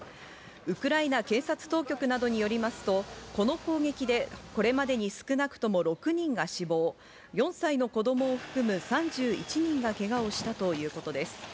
ウクライナ警察当局などによりますと、この攻撃でこれまでに少なくとも６人が死亡、４歳の子供を含む３１人がけがをしたということです。